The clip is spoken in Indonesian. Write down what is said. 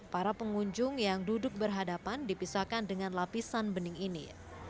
para pengunjung yang duduk berhadapan dipisahkan dengan lapisan bening ini